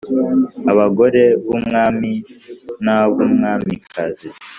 abagore b umwami n ab umwamikazi